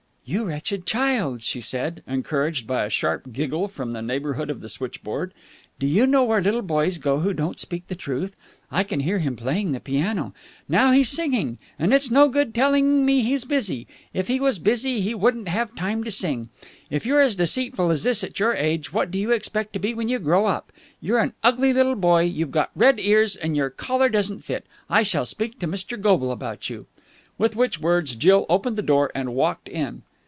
"You wretched child!" she said, encouraged by a sharp giggle from the neighbourhood of the switchboard. "Do you know where little boys go who don't speak the truth? I can hear him playing the piano. Now he's singing! And it's no good telling me he's busy. If he was busy, he wouldn't have time to sing. If you're as deceitful as this at your age, what do you expect to be when you grow up? You're an ugly little boy, you've got red ears, and your collar doesn't fit! I shall speak to Mr. Goble about you." With which words Jill opened the door and walked in.